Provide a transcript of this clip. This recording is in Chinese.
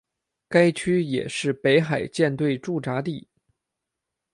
该区也是北海舰队驻扎地。